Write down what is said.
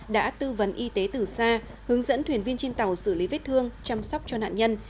đã tư vấn y tế từ xa hướng dẫn thuyền viên trên tàu xử lý vết thương chăm sóc cho nạn nhân